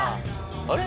あれ？